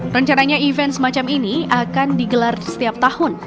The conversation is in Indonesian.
rencananya event semacam ini akan digelar setiap tahun